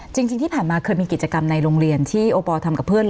จริงที่ผ่านมาเคยมีกิจกรรมในโรงเรียนที่โอปอลทำกับเพื่อน